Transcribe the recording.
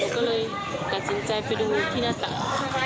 ก็เลยตัดสินใจไปดูที่หน้าต่าง